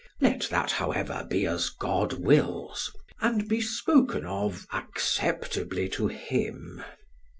Let that, however, be as God wills, and be spoken of acceptably to him.